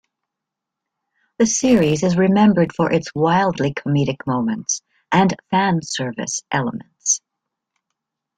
The series is remembered for its wildly "comedic" moments and fanservice elements.